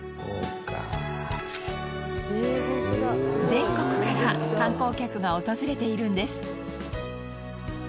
全国から観光客が訪れているんです。